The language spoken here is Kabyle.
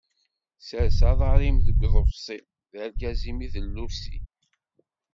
Sers aḍar-im deg uḍebṣi, d argaz-im i d llusi.